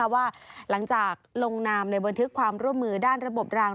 ว่าหลังจากลงนามในบันทึกความร่วมมือด้านระบบราง